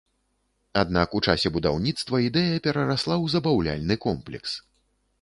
Аднак у часе будаўніцтва ідэя перарасла ў забаўляльны комплекс.